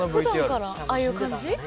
ふだんからああいう感じ？